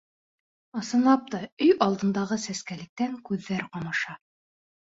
Ысынлап та, өй алдындағы сәскәлектән күҙҙәр ҡамаша.